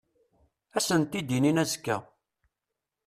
Ad sent-d-inin azekka.